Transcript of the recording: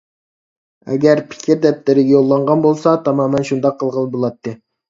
ئەگەر پىكىر دەپتىرىگە يوللانغان بولسا تامامەن شۇنداق قىلغىلى بولاتتى.